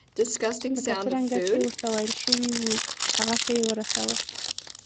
لکه څرنګه چې ورته ویل شوي وو هغسې یې ورسول.